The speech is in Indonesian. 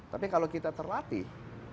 tapi kalau kita terlatih